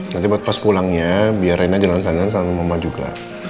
nanti pas pulangnya biar rena jalan sana sama mama juga